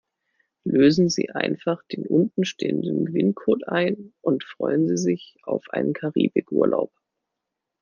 Lösen Sie einfach den unten stehenden Gewinncode ein und freuen Sie sich auf einen Karibikurlaub.